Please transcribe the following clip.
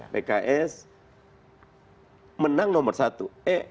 pks menang nomor satu